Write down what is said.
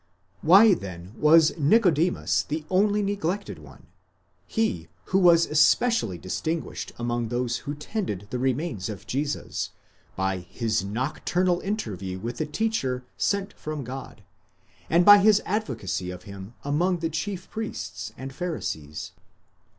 why then was Nicodemus the only neglected one—he who was especially distinguished among those who tended the remains of Jesus, by his nocturnal interview with the teacher sent from God, and by his advocacy of him among the chief priests and Pharisees?